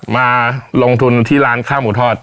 มาลงทุนที่ร้านข้าวหมูทอด